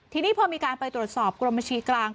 ทีนี้พอมีการไปตรวจสอบกรมบัญชีกลาง